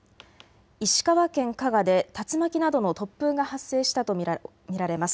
石川県加賀で竜巻などの突風が発生したと見られます。